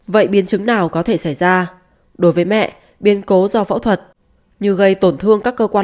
vậy biến chứng nào có thể xảy ra đối với mẹ biên cố do phẫu thuật như gây tổn thương các cơ quan